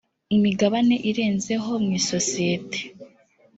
imigabane irenzeho mu isosiyete